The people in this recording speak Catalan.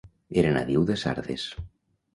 Era nadiu de Sardes.